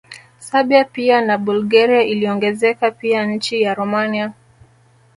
Serbia pia na Bulgaria iliongezeka pia nchi ya Romania